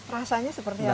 rasanya seperti apa nih